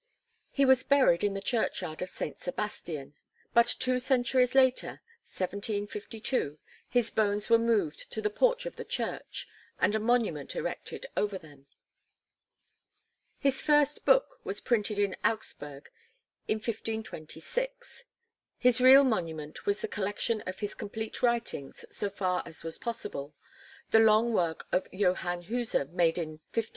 He was buried in the churchyard of Saint Sebastian; but two centuries later, 1752, his bones were moved to the porch of the church, and a monument erected over them. His first book was printed in Augsburg in 1526. His real monument was the collection of his complete writings so far as was possible, the long work of Johann Huser made in 1589 91.